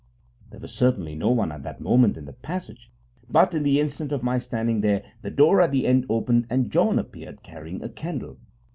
There was certainly no one at that moment in the passage, but, in the instant of my standing there, the door at the end opened and John appeared carrying a candle.